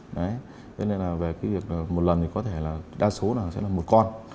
đấy nên là về cái việc một lần thì có thể là đa số là sẽ là một con